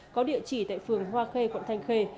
có địa chỉ tại phường hoa khê quận thanh khê